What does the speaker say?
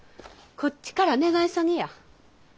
こっちから願い下げや。